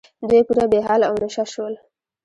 دوی پوره بې حاله او نشه شول.